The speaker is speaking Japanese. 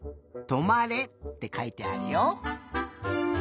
「止まれ」ってかいてあるよ。